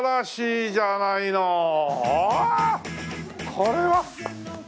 これは！